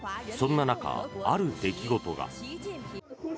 そんな中、ある出来事が。